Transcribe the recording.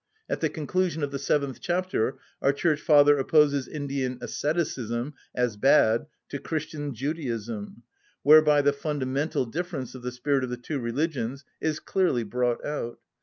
At the conclusion of the seventh chapter our Church Father opposes Indian asceticism, as bad, to Christian Judaism; whereby the fundamental difference of the spirit of the two religions is clearly brought out.